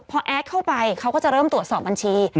พอแอดเข้าไปเขาก็จะเริ่มตรวจสอบบัญชี